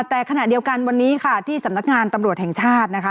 แต่ขณะเดียวกันวันนี้ค่ะที่สำนักงานตำรวจแห่งชาตินะคะ